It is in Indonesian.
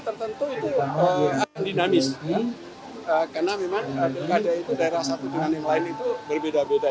tertentu itu dinamis karena memang pilkada itu daerah satu dengan yang lain itu berbeda beda